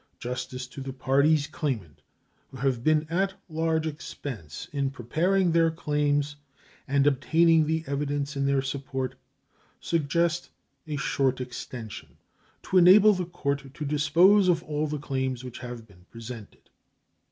Justice to the parties claimant, who have been at large expense in preparing their claims and obtaining the evidence in their support, suggests a short extension, to enable the court to dispose of all of the claims which have been presented.